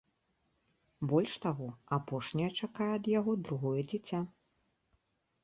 Больш таго, апошняя чакае ад яго другое дзіця.